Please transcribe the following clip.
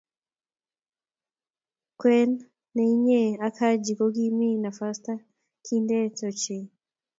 Kwen ne nyine ak Haji ko kimii nafasta kintee ochei.